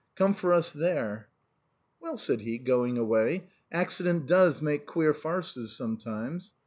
Come for us there." " Well," said he, going away, " accident does make queer farces sometimes."